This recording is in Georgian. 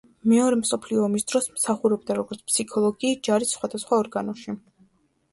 მეორე მსოფლიო ომის დროს, მსახურობდა როგორც ფსიქოლოგი, ჯარის სხვადასხვა ორგანოში.